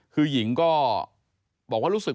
คือหญิงก็บอกว่ารู้สึก